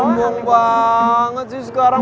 sumbung banget sih sekarang